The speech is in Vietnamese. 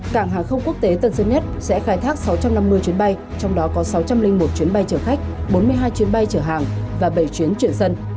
cảng hàng không quốc tế tân sơn nhất sẽ khai thác sáu trăm năm mươi chuyến bay trong đó có sáu trăm linh một chuyến bay chở khách bốn mươi hai chuyến bay chở hàng và bảy chuyến chuyển dần